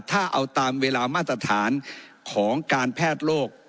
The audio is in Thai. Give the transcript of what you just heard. ถ้าเอาตามเวลามาตรฐานของการแพทย์โลก